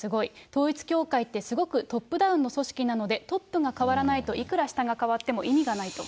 統一教会ってすごくトップダウンの組織なので、トップが変わらないと、いくら下が変わっても意味がないと。